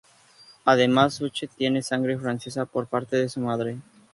Además, Suchet tiene sangre francesa por parte de su madre.